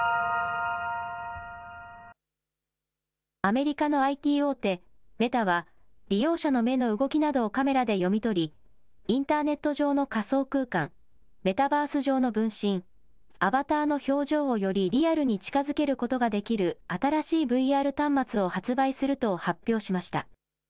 アメリカのＩＴ大手、メタは、利用者の目の動きなどをカメラで読み取り、インターネット上の仮想空間・メタバース上の分身、アバターの表情をよりリアルに近づけることができる新しいＶＲ端末を発売すると発表しました。